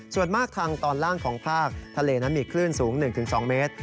ส่วนมากทางตอนล่างของภาคทะเลนั้นมีคลื่นสูง๑๒เมตร